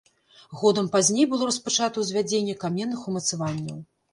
Годам пазней было распачата ўзвядзенне каменных умацаванняў.